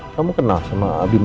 kamu kenal sama abimana sebelumnya